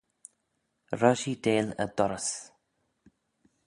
Roshee daill y dorrys